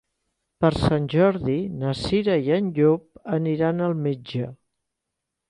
Per Sant Jordi na Cira i en Llop aniran al metge.